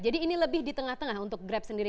jadi ini lebih di tengah tengah untuk grab sendiri